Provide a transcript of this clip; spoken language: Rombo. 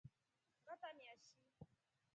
Ngatramia shi.